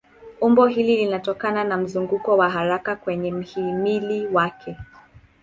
Umbo hili linatokana na mzunguko wa haraka kwenye mhimili wake.